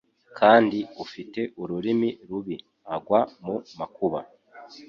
kandi ufite ururimi rubi agwa mu makuba